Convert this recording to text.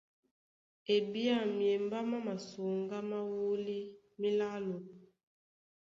E ɓ!!ân myembá má masoŋgá má wólí mílálo.